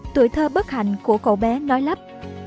tuổi thơ bất hạnh của cậu bé nói lắp